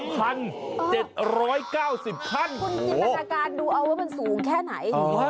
คุณจินตนาการดูเอาว่ามันสูงแค่ไหน